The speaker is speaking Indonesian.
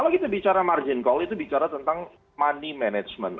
kalau kita bicara margin call itu bicara tentang money management